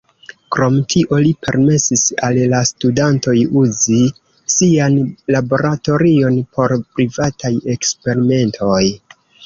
Krom tio, li permesis al la studantoj uzi sian laboratorion por privataj eksperimentoj.